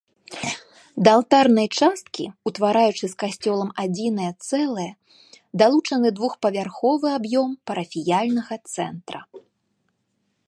Да алтарнай часткі, утвараючы з касцёлам адзінае цэлае, далучаны двухпавярховы аб'ём парафіяльнага цэнтра.